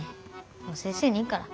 もう先生に言うから。